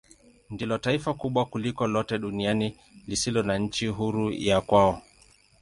Ndilo taifa kubwa kuliko lote duniani lisilo na nchi huru ya kwao.